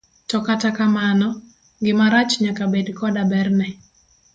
To kata kamano, gima rach nyaka bed koda berne.